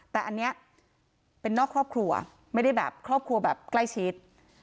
แต่อันนี้เป็นนอกครอบครัวไม่ได้แบบครอบครัวแบบใกล้ชิด